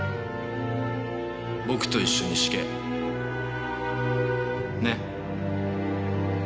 僕と一緒に死刑。ね？